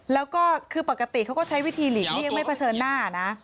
แล้วก็คือปกติเขาก็ใช้วิธีหลีกเลี่ยงไม่เผชิญหน้านะ